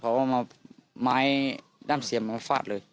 เอามาไม้ด้ามเสียมมาฟาดเลย